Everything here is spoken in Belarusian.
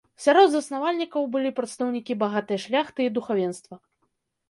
Сярод заснавальнікаў былі прадстаўнікі багатай шляхты і духавенства.